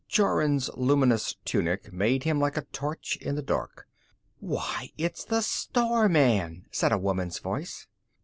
Jorun's luminous tunic made him like a torch in the dark. "Why, it's the star man," said a woman's voice.